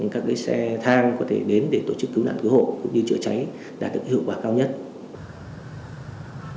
các xe thang có thể đến để tổ chức cứu nạn cứu hộ cũng như chữa cháy đạt được hiệu quả cao nhất